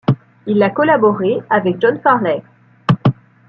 Il a collaboré avec John Farley.